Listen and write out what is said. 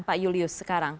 pak julius sekarang